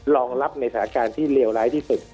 รองรับในสถานการณ์ที่เลวร้ายที่สุด